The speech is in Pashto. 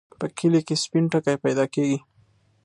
په کلي کې سپين ټکی پیدا کېږي.